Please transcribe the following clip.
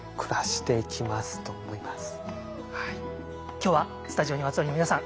今日はスタジオにお集まりの皆さん